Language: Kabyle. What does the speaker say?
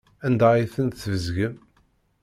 Anda ay ten-tesbezgem?